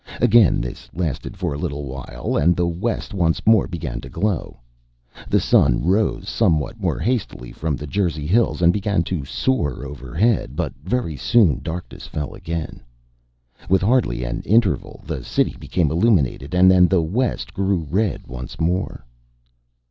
Again this lasted for a little while, and the west once more began to glow. The sun rose somewhat more hastily from the Jersey hills and began to soar overhead, but very soon darkness fell again. With hardly an interval the city became illuminated, and then the west grew red once more.